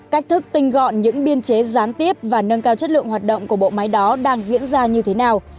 cách thức tinh gọn những biên chế gián tiếp và nâng cao chất lượng hoạt động của bộ máy đó đang diễn ra như thế nào